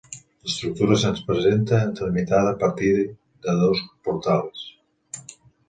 L'estructura se'ns presenta delimitada a partir de dos portals.